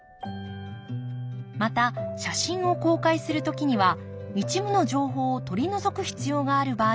また写真を公開する時には一部の情報を取り除く必要がある場合もあります。